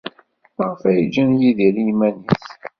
Maɣef ay ǧǧant Yidir i yiman-nnes?